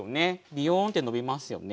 ビヨーンってのびますよね。